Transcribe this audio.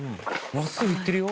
真っすぐ行ってるよ。